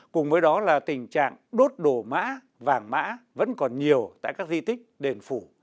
cùng với đó là tình trạng đốt đổ mã vàng mã vẫn còn nhiều tại các di tích đền phủ